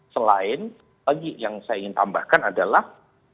selain lagi yang saya ingin tambahkan adalah